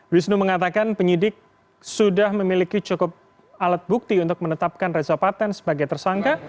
wisnu mengatakan penyidik sudah memiliki cukup alat bukti untuk menetapkan reza patent sebagai tersangka